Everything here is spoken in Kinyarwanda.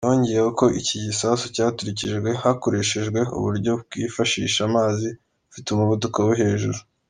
Yongeyeho ko iki gisasu cyaturikijwe hakoreshwejwe "uburyo bwifashisha amazi afite umuvuduko wo hejuru".